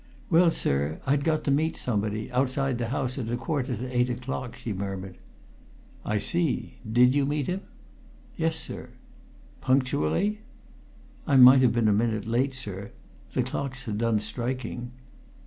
"Well, sir, I'd got to meet somebody, outside the house, at a quarter to eight o'clock," she murmured. "I see! Did you meet him?" "Yes, sir." "Punctually?" "I might have been a minute late, sir. The clocks had done striking."